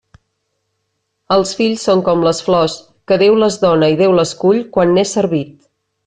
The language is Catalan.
Els fills són com les flors, que Déu les dóna i Déu les cull quan n'és servit.